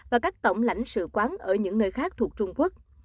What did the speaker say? và các tổng lãnh sự quán ở những nơi khác thuộc trung quốc